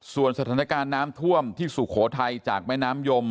ส่วนสถานการณ์น้ำท่วมที่สุโขทัยจากแม่น้ำยม